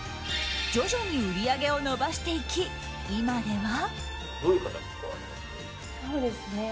徐々に売り上げを伸ばしていき今では。